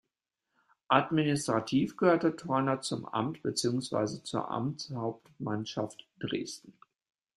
Administrativ gehörte Torna zum Amt beziehungsweise zur Amtshauptmannschaft Dresden.